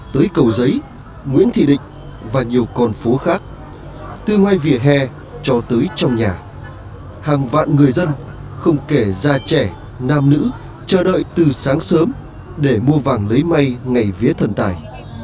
tới cầu giấy nguyễn thị định và nhiều con phố khác từ ngoài vỉa hè cho tới trong nhà hàng vạn người dân không kể cha trẻ nam nữ chờ đợi từ sáng sớm để mua vàng lấy may ngày vía thần tài